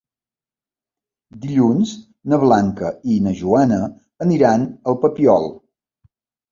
Dilluns na Blanca i na Joana aniran al Papiol.